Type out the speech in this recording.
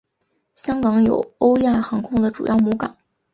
香港有欧亚航空的主要母港。